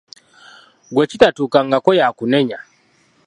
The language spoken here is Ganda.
Gwe kitatuukangako y’akunenya.